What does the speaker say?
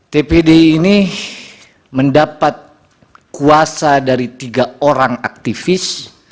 tpd ini mendapat kuasa dari tiga orang aktivis